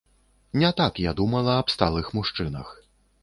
Не так я думала аб сталых мужчынах.